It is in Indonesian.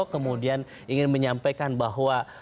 kemudian ingin menyampaikan bahwa